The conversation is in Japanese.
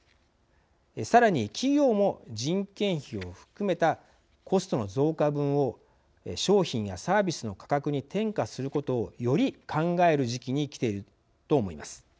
さらに、企業も人件費を含めたコストの増加分を商品やサービスの価格に転嫁することをより考える時期にきていると思います。